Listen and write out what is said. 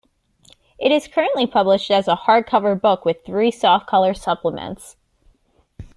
It is currently published as a hard-cover book with three soft-cover supplements.